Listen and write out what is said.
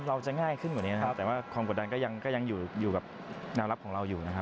หวยซื่อหาวด้วยกับนัตรภนรพันธ์